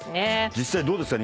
実際どうですか？